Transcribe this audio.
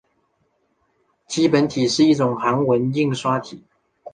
基本体是一种韩文印刷体。